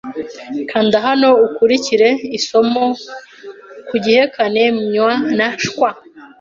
kanda hano ukurikire isomo ku gihekane Myw na Nshyw